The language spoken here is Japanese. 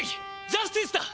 ジャスティスだ！